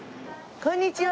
こんにちは。